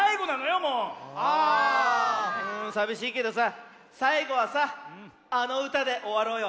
さびしいけどささいごはさあのうたでおわろうよ。